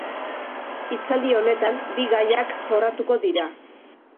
Hitzaldi honetan, bi gaiak jorratuko dira.